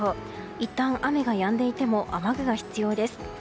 いったん雨がやんでいても雨具が必要です。